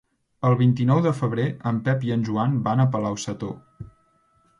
El vint-i-nou de febrer en Pep i en Joan van a Palau-sator.